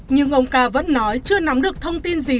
nhưng ông ca vẫn nói chưa nắm được thông tin gì